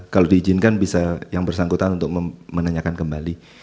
kalau diizinkan bisa yang bersangkutan untuk menanyakan kembali